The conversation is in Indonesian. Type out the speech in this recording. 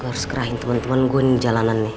gue harus kerahin temen temen gue nih jalanan nih